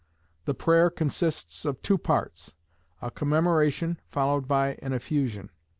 The prayer consists of two parts; a commemoration, followed by an effusion.